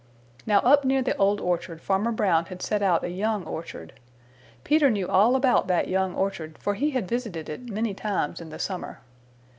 Now up near the Old Orchard Farmer Brown had set out a young orchard. Peter knew all about that young orchard, for he had visited it many times in the summer.